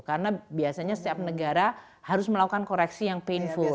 karena biasanya setiap negara harus melakukan koreksi yang painful